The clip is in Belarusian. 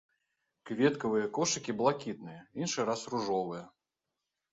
Кветкавыя кошыкі блакітныя, іншы раз ружовыя.